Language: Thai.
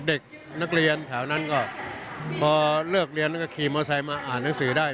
เด็กนักเรียนแถวนั้นก็พอเลิกเรียนแล้วก็ขี่มอไซค์มาอ่านหนังสือได้